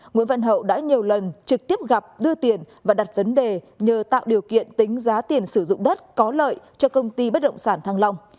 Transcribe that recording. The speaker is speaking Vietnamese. nguyễn văn hậu đã nhiều lần trực tiếp gặp đưa tiền và đặt vấn đề nhờ tạo điều kiện tính giá tiền sử dụng đất có lợi cho công ty bất động sản thăng long